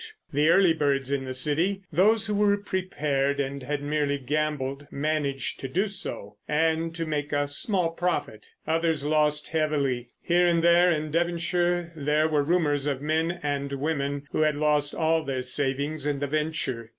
The early birds in the City—those who were prepared and had merely gambled—managed to do so, and to make a small profit: others lost heavily. Here and there in Devonshire there were rumours of men and women who had lost all their savings in the venture.